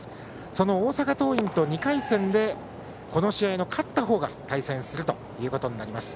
その大阪桐蔭と２回戦でこの試合の勝った方が対戦することになります。